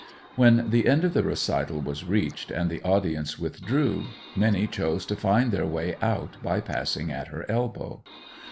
When the end of the recital was reached, and the audience withdrew, many chose to find their way out by passing at her elbow.